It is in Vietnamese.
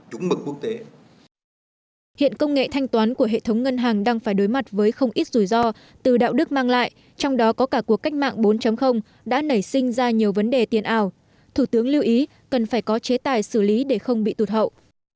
hiện công nghệ thanh toán của hệ thống ngân hàng đang phải đối mặt với không ít rủi ro từ đạo đức mang lại trong đó có cả cuộc cách mạng bốn đã nảy sinh ra nhiều vấn đề tiền ảo thủ tướng lưu ý cần phải có chế tài xử lý để không bị tụt hậu